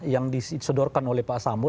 yang disedorkan oleh pak sambo